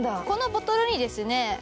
このボトルにですね